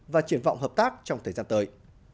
và triển vọng hợp tác trong thời gian tới